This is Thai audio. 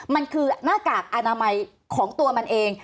มันคือหน้ากากอนามัยของตัวมันเอง